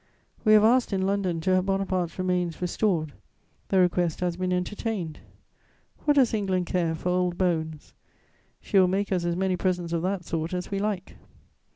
We have asked in London to have Bonaparte's remains restored; the request has been entertained: what does England care for old bones? She will make us as many presents of that sort as we like.